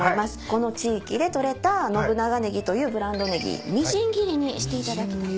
この地域で取れた信長ねぎというブランドねぎみじん切りにしていただきたい。